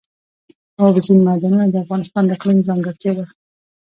اوبزین معدنونه د افغانستان د اقلیم ځانګړتیا ده.